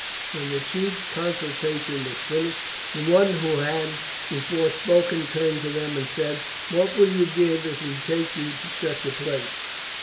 When the chiefs' consultation was finished, the one who had before spoken turned to them and said: "What will you give if we take you to such a place?"